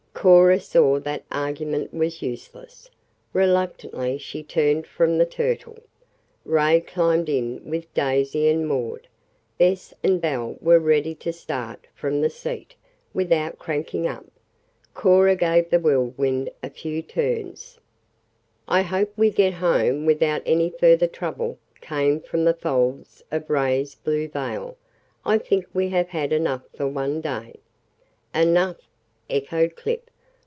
Cora saw that argument was useless. Reluctantly she turned from the Turtle. Ray climbed in with Daisy and Maud. Bess and Belle were ready to start "from the seat," without cranking up. Cora gave the Whirlwind a few turns. "I hope we get home without any further trouble," came from the folds of Ray's blue veil. "I think we have had enough for one day." "Enough!" echoed Clip.